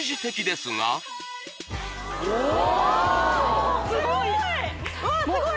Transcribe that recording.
すごい！